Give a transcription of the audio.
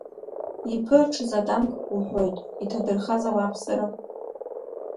Иԥырҽыз атанкқәа уҳәоит, иҭадырхаз ауааԥсыра?